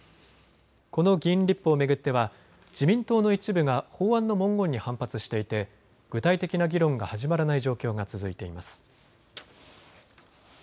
この議員立法を巡っては自民党の一部が法案の文言に反発していて具体的な議論が始まらない状況が続いています。